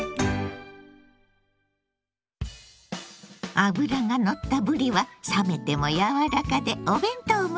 脂がのったぶりは冷めても柔らかでお弁当向き。